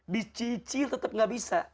dicicil tetap gak bisa